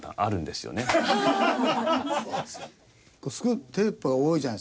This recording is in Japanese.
すごいテロップが多いじゃないですか。